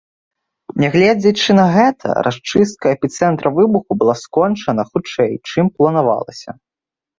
Нягледзячы на гэта, расчыстка эпіцэнтра выбуху была скончана хутчэй, чым планавалася.